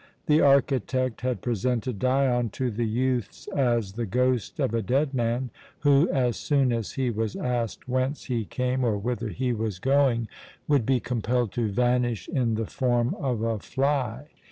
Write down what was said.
The architect had presented Dion to the youths as the ghost of a dead man, who, as soon as he was asked whence he came or whither he was going, would be compelled to vanish in the form of a fly.